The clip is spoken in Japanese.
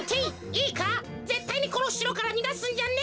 いいかぜったいにこのしろからにがすんじゃねえぞ。